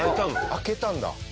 開けたんだ。